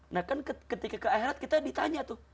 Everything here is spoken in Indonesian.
nah kan ketika ke akhirat kita ditanya tuh